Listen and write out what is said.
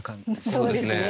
そうですね。